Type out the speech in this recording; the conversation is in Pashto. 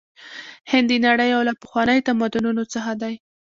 هند د نړۍ یو له پخوانیو تمدنونو څخه دی.